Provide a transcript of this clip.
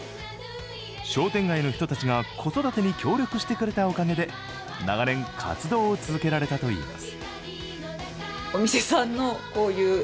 商店街の人たちが子育てに協力してくれたおかげで長年、活動を続けられたといいます。